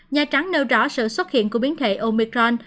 nhà trắng nêu rõ sự xuất hiện của biến thể omicron